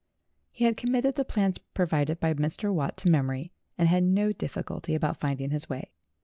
He had committed the plans provided by Mr. Watt to memory, and had no difficulty about finding his way.